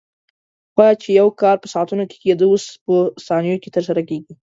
پخوا چې یو کار په ساعتونو کې کېده، اوس په ثانیو کې ترسره کېږي.